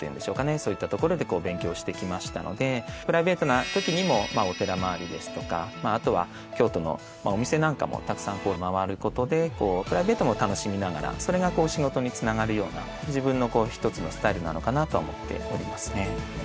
そういったところで勉強してきましたのでプライベートなときにもお寺回りですとかあとは京都のお店なんかもたくさん回ることでプライベートも楽しみながらそれがこう仕事につながるような自分の１つのスタイルなのかなとは思っておりますね。